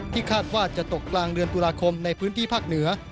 คาดว่าจะตกกลางเดือนตุลาคมในพื้นที่ภาคเหนือ